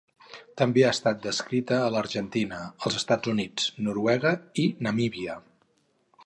També ha estat descrita a l'Argentina, els Estats Units, Noruega i Namíbia.